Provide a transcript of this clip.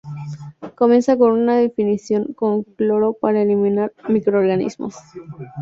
Comienza con una desinfección con cloro para eliminar microorganismos.